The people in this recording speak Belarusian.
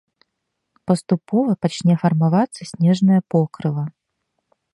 Паступова пачне фармавацца снежнае покрыва.